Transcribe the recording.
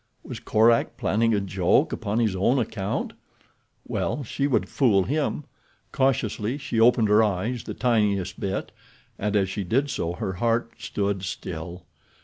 Was Korak planning a joke upon his own account? Well, she would fool him. Cautiously she opened her eyes the tiniest bit, and as she did so her heart stood still.